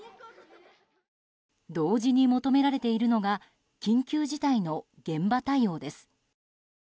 同時に求められているのが緊急事態の現場対応です。